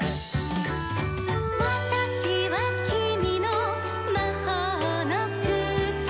「『わたしはきみのまほうのくつ』」